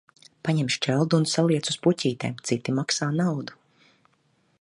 Paņem šķeldu un saliec uz puķītēm, citi maksā naudu.